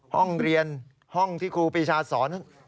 ห้องเรียนห้องที่ครูปีชาสอน